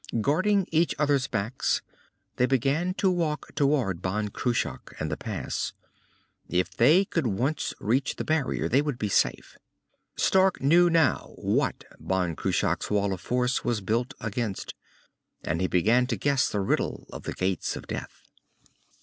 Guarding each others' backs, they began to walk toward Ban Cruach and the pass. If they could once reach the barrier, they would be safe. Stark knew now what Ban Cruach's wall of force was built against. And he began to guess the riddle of the Gates of Death.